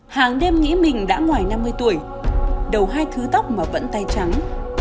hàng đêm nghĩ mình đã ngoài năm mươi tuổi đầu hai thứ tóc mà vẫn tay trắng